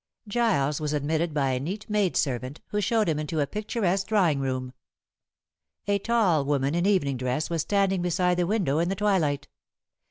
Giles was admitted by a neat maid servant, who showed him into a picturesque drawing room. A tall woman in evening dress was standing beside the window in the twilight.